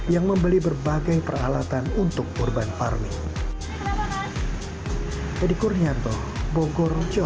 yang membeli berbagai peralatan untuk urban farming